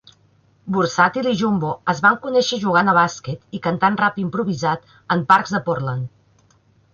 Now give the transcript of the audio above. Vursatyl i Jumbo es van conèixer jugant a bàsquet i cantant rap improvisat en parcs de Portland.